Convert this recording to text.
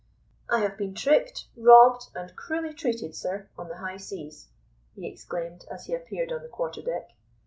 "I have been tricked, robbed, and cruelly treated, sir on the high seas!" he exclaimed, as he appeared on the quarter deck.